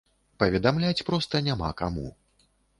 Паведамляць проста няма каму.